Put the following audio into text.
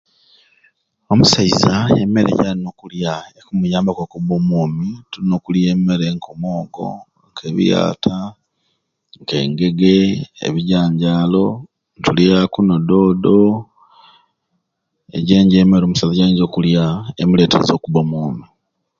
Omusaiza emere gyalina okulya ekumuyambaku okuba omwomi tulina okulya emere nko omwogo nke ebiyata nka engege ebijjanjjalo netulaku n'odoodo ejjo nijjo emere omusaiza jayinza okulya emuretereza okuba omwomi.